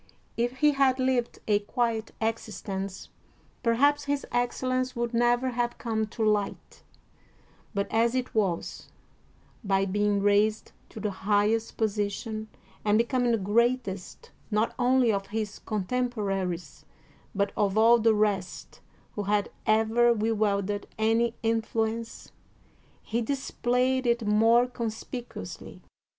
If he had lived a quiet existence, perhaps his excellence would never have come to light; but as it was, by being raised to the highest position and be coming the greatest not only of his contempora ries but of all the rest who had ever wielded any influence, he displayed it more conspicuously.